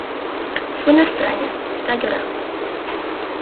Suena extraña, está llorando.